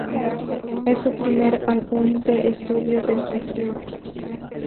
Es su primer álbum de estudio desde Girl.